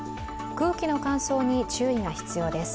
空気の乾燥に注意が必要です。